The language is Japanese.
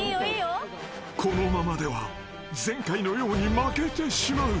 ［このままでは前回のように負けてしまう］